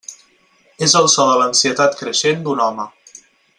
És el so de l'ansietat creixent d'un home.